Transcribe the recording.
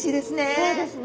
そうですね。